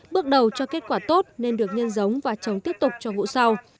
bước đầu cho kết quả tốt nên được nhân giống và trồng tiếp tục cho vụ sau